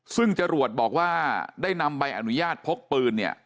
ซึ่งจรวดบอกว่าได้นำใบอนุญาตพกปืนเนี่ย